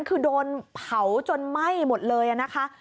คือโดนเผาจนไหม้หมดเลยนะคะ